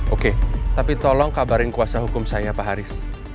oke tapi tolong kabarin kuasa hukum saya pak haris